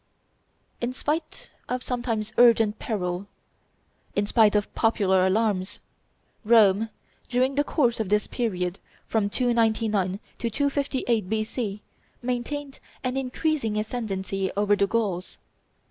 In spite of sometimes urgent peril, in spite of popular alarms, Rome, during the course of this period, from 299 to 258 B.C., maintained an increasing ascendency over the Gauls.